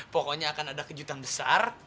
pokoknya akan ada kejutan besar